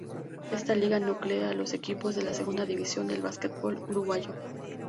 Esta liga nuclea a los equipos de la Segunda División del básquetbol uruguayo.